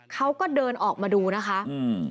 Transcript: เขาก็เดินออกมาดูนะคะอืม